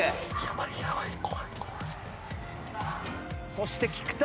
そして菊田。